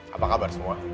apa kabar semua